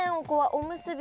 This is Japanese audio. おむすび